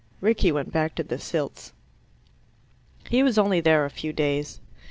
Rickie went back to the Silts. He was only there a few days.